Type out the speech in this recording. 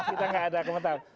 kita nggak ada komentar